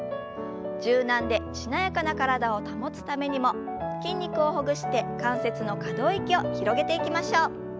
柔軟でしなやかな体を保つためにも筋肉をほぐして関節の可動域を広げていきましょう。